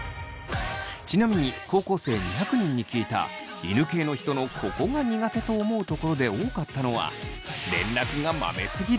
ちなみに高校生２００人に聞いた犬系の人のここが苦手と思うところで多かったのは。